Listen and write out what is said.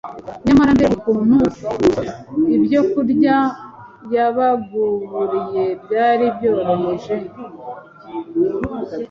nyamara mbega ukuntu ibyokurya yabagaburiye byari byoroheje: